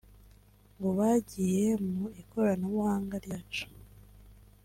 ngo bagiye mu ikoranabuhanga ryacu